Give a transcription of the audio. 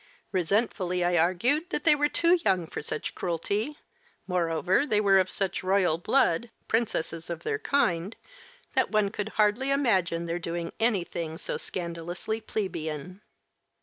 Resentfully I argued that they were too young for such cruelty; moreover they were of such royal blood, princesses of their kind, that one could hardly imagine their doing anything so scandalously plebeian.